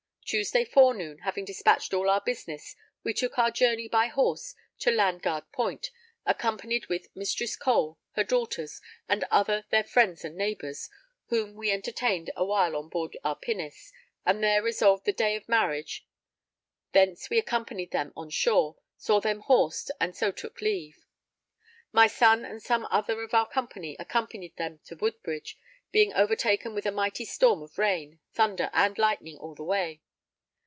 Tuesday forenoon, having despatched_ all our business, we took our journey by horse to Landguard Point accompanied with Mistress Cole, her daughters, and other their friends and neighbours, whom we entertained a while on board our pinnace, and there resolved the day of marriage; thence we accompanied them on shore, saw them horsed, and so took leave. My son and some other of our company accompanied them to Woodbridge, being overtaken with a mighty storm of rain, thunder and lightning all the way.